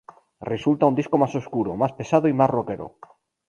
Resulta un disco más oscuro, más pesado y más rockero.